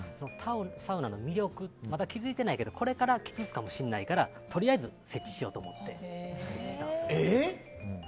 サウナの魅力にまだ気づいてないけどこれから気づくかもしれないからとりあえず設置しようと思って設置したんです。